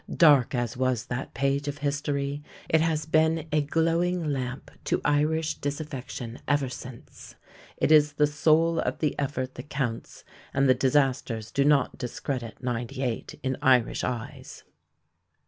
Dark as was that page of history, it has been a glowing lamp to Irish disaffection ever since. It is the soul of the effort that counts, and the disasters do not discredit '98 in Irish eyes.